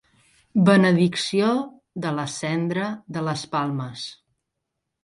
Benedicció de la cendra, de les palmes.